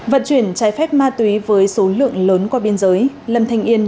vận chuyển trái phép ma túy với số lượng lớn qua biên giới lâm thanh yên